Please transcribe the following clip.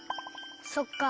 そっか。